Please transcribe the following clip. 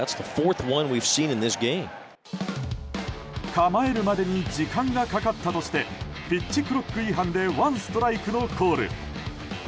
構えるまでに時間がかかったとしてピッチクロック違反でワンストライクのコール。